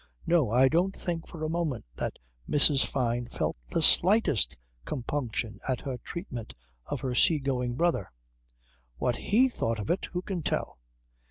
No I don't think for a moment that Mrs. Fyne felt the slightest compunction at her treatment of her sea going brother. What he thought of it who can tell?